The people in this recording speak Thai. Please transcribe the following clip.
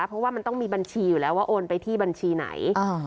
เพราะว่ามันต้องมีบัญชีอยู่แล้วว่าโอนไปที่บัญชีไหน